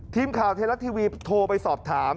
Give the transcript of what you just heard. ทีมข่าวไทยรัฐทีวีโทรไปสอบถาม